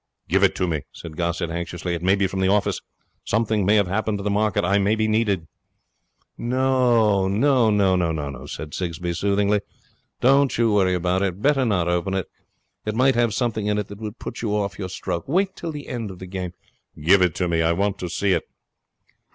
'Give it to me,' said Gossett anxiously. 'It may be from the office. Something may have happened to the market. I may be needed.' 'No, no,' said Sigsbee, soothingly. 'Don't you worry about it. Better not open it. It might have something in it that would put you off your stroke. Wait till the end of the game.' 'Give it to me. I want to see it.'